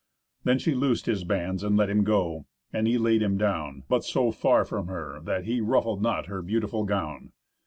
Then she loosed his bands, and let him go, and he laid him down, but so far from her that he ruffled not her beautiful gown.